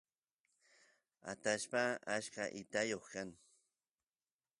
atashpa achka itayoq kan